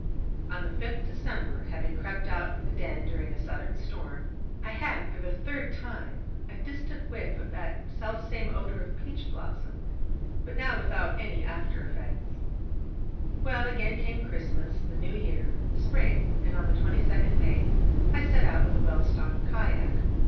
On the 5th December, having crept out from the den during a southern storm, I had, for the third time, a distant whiff of that self same odour of peach blossom: but now without any after effects. Well, again came Christmas, the New Year Spring: and on the 22nd May I set out with a well stocked kayak.